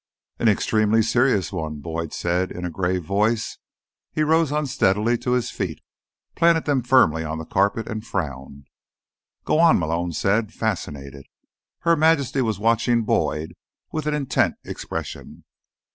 "An extremely serious one," Boyd said in a grave voice. He rose unsteadily to his feet, planted them firmly on the carpet, and frowned. "Go on," Malone said, fascinated. Her Majesty was watching Boyd with an intent expression.